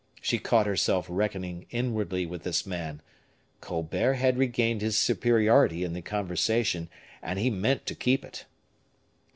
She caught herself reckoning inwardly with this man Colbert had regained his superiority in the conversation, and he meant to keep it.